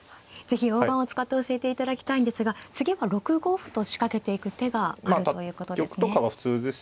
是非大盤を使って教えていただきたいんですが次は６五歩と仕掛けていく手があるということですね。